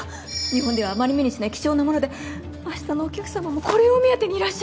日本ではあまり目にしない貴重なものであしたのお客さまもこれを目当てにいらっしゃるの。